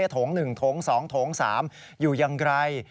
โถง๑โถง๒โถง๓อยู่อย่างไร